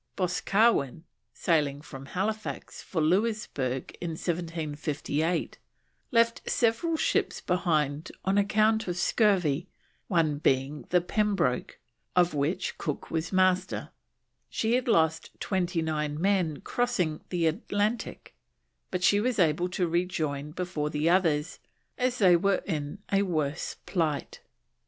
Boscawen, sailing from Halifax for Louisberg in 1758, left several ships behind on account of scurvy, one being the Pembroke, of which Cook was Master; she had lost 29 men crossing the Atlantic, but she was able to rejoin before the others as they were in a worse plight.